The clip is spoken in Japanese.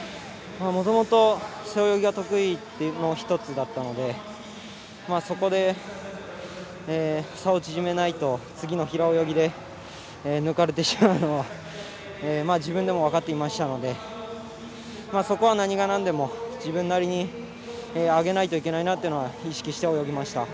もともと背泳ぎが得意というのが１つだったので差を縮めないと次の平泳ぎで抜かれてしまうのは自分でも分かっていましたのでそこは何がなんでも自分なりに上げないといけないなと意識して泳ぎました。